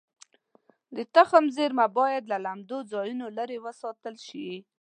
د تخم زېرمه باید له لمدو ځایونو لرې وساتل شي.